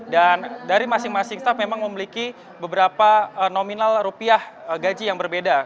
dan dari masing masing staff memang memiliki beberapa nominal rupiah gaji yang berbeda